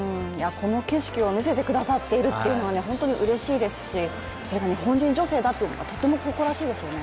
この景色を見せてくださっているというのはうれしいですしそれが日本人女性だというのはとっても誇らしいですよね。